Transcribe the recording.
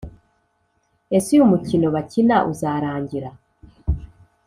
Ese uyu mukino bakina uzarangira?